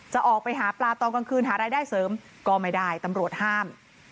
จะออกไปหาปลาตอนกลางคืนหารายได้เสริมก็ไม่ได้ตำรวจห้าม